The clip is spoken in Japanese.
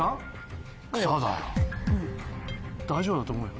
大丈夫だと思うよ。